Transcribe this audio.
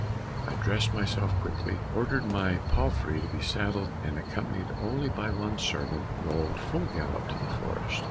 I dressed myself quickly, ordered my palfrey to be saddled, and accompanied only by one servant, rode full gallop to the forest.